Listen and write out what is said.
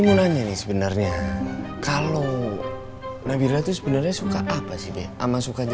demande sebenarnya kalau tahu malil atau sebenarnya suka apa sih sebuah sukacita